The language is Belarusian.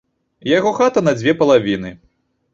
Яго хата на дзве палавіны.